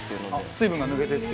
水分が抜けていって。